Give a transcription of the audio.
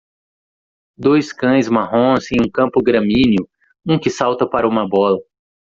Dois cães marrons em um campo gramíneo? um que salta para uma bola.